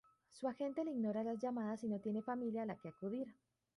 Su agente le ignora las llamadas, y no tiene familia a la que acudir.